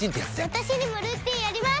私にもルーティンあります！